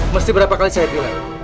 mesti berapa kali saya bilang